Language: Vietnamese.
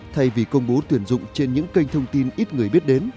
thay vì công bố tuyển dụng trên những kênh thông tin ít người biết đến